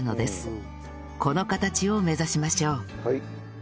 この形を目指しましょう